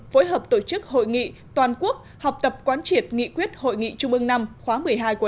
phối hợp tổ chức hội nghị toàn quốc học tập quán triệt nghị quyết hội nghị trung ương năm khóa một mươi hai của